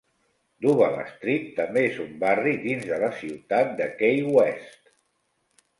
Duval Street també és un barri dins de la ciutat de Key West.